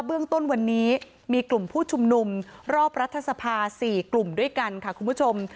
เบื้องต้นวันนี้มีกลุ่มผู้ชุมนุมรอบรัฐสภา๔กลุ่มด้วยกันค่ะคุณผู้ชม